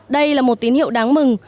đây là một tín hiệu đáng mừng